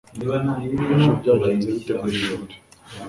Ejo byagenze bite ku ishuri?